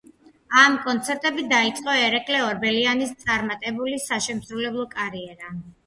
ამ კონცერტებით დაიწყო ერეკლე ორბელიანის წარმატებული საშემსრულებლო კარიერა.